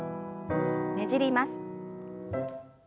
ねじります。